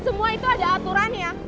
semua itu ada aturannya